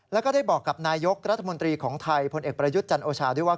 แล้วก็ได้บอกกับนายกรัฐมนตรีของไทยพลเอกประยุทธ์จันโอชาด้วยว่า